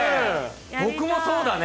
僕もそうだね。